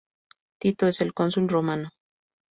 Tito es el Cónsul Romano.